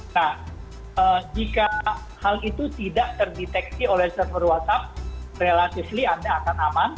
nah jika hal itu tidak terdeteksi oleh server whatsapp relatively anda akan aman